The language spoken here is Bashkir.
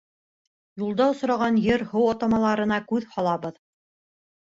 Юлда осраған ер-һыу атамаларына күҙ һалабыҙ.